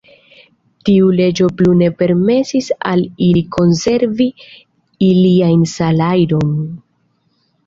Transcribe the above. Tiu leĝo plu ne permesis al ili konservi ilian salajron.